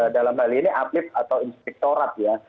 dalam hal ini atlet atau inspektorat ya